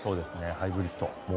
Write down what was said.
ハイブリッド。